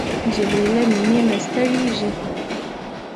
نجلۍ له مینې نه نه ستړېږي.